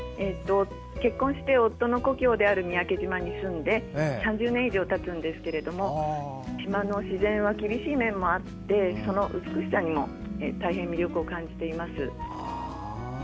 結婚して夫の故郷である三宅島に住んで３０年以上たつんですが島の自然は厳しい面もあってその美しさに大変魅力を感じています。